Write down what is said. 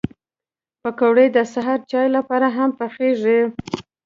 پکورې د سهر چای لپاره هم پخېږي